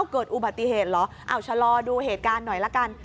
เกิดอุบัติเหตุเหรอเอาชะลอดูเหตุการณ์หน่อยละกัน